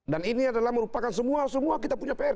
dan ini adalah merupakan semua semua kita punya pr